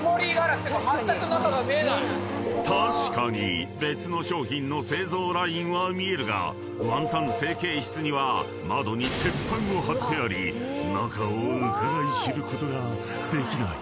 ［確かに別の商品の製造ラインは見えるがワンタン成型室には窓に鉄板を張ってあり中をうかがい知ることができない］